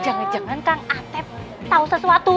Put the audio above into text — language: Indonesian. jangan jangan kang atep tahu sesuatu